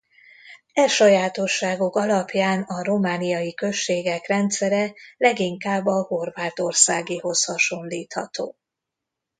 E sajátosságok alapján a romániai községek rendszere leginkább a horvátországihoz hasonlítható.